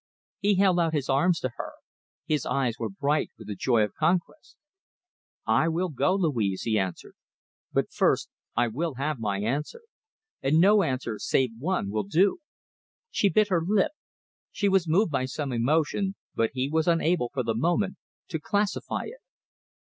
He held out his arms to her. His eyes were bright with the joy of conquest. "I will go, Louise," he answered, "but first I will have my answer and no answer save one will do!" She bit her lip. She was moved by some emotion, but he was unable, for the moment, to classify it.